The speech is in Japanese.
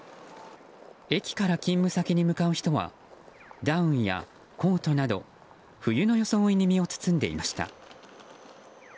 駅から勤務先に向かう人はダウンやコートなど冬の装いに身を包んでいました。